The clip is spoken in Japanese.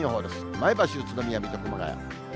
前橋、宇都宮、水戸、熊谷。